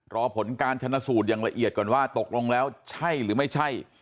รอผลการชนะสูตรอย่างละเอียดก่อนว่าตกลงแล้วใช่หรือไม่ใช่